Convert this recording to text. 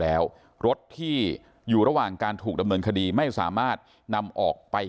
แล้วรถที่อยู่ระหว่างการถูกดำเนินคดีไม่สามารถนำออกไป